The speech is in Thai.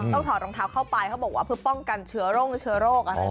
ต้องถอดรองเท้าเข้าไปเขาบอกว่าเพื่อป้องกันเชื้อโรค